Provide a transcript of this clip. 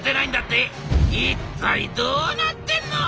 一体どうなってんの？」。